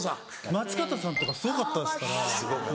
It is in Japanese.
松方さんとかすごかったですから。